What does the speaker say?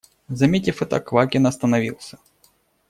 Заметив это, Квакин остановился.